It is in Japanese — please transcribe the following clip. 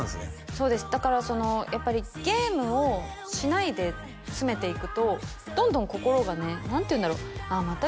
そうですだからやっぱりゲームをしないで詰めていくとどんどん心がね何ていうんだろうああまた